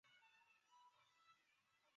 本列表为新界区专线小巴路线的一览表。